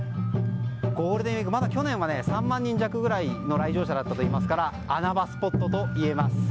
ゴールデンウィーク、まだ去年は３万人弱の来場者だったといいますから穴場スポットといえます。